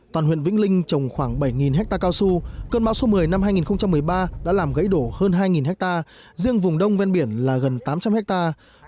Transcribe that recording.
toàn huyện vĩnh linh trồng khoảng bảy hectare cao su cơn bão số một mươi năm hai nghìn một mươi ba đã làm gãy đổ hơn hai hectare riêng vùng đông ven biển là gần tám trăm linh hectare